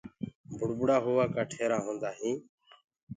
بُڙبُڙآ هوآ ڪآ ٽيرآ هوندآ هينٚ۔